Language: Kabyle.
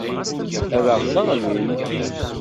Ad aɣ-sseɣlint.